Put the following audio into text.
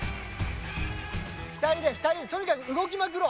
２人でとにかく動きまくろう。